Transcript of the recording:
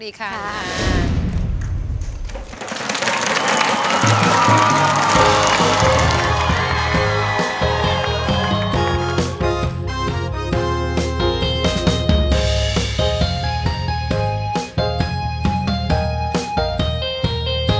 ไม่ใช้